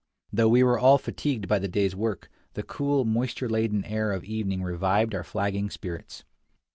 Though we were all fatigued by the day's work, the cool, moisture laden air of evening revived our flagging spirits.